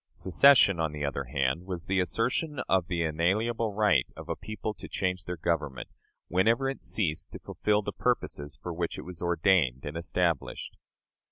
Secession, on the other hand, was the assertion of the inalienable right of a people to change their government, whenever it ceased to fulfill the purposes for which it was ordained and established.